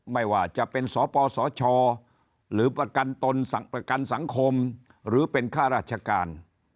ไม่ว่าจะเป็นสปสชหรือประกันตนประกันสังคมหรือเป็นค่าราชการ